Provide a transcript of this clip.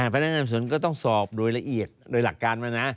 พนักงานส่วนก็ต้องสอบโดยละเอียดโดยหลักการมานะ